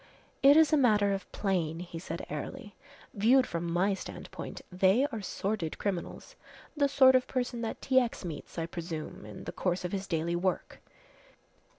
"It is a matter of plane," he said airily. "Viewed from my standpoint, they are sordid criminals the sort of person that T. X. meets, I presume, in the course of his daily work.